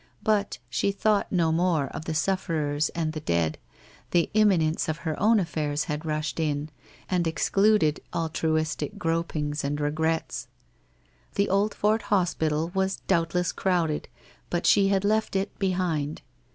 But she thought no more of the sufferers and the dead, the imminence of her own allairs had rushed in, and excluded altruistic gropings and regrets. The Oldfort hospital was doubtless crowded, but she had left it behind.